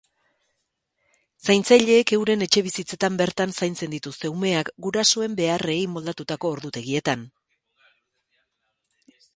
Zaintzaileek euren etxebizitzetan bertan zaintzen dituzte umeak, gurasoen beharrei moldatutako ordutegietan.